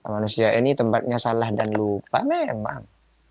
manusia ini tempatnya salah dan lupa memang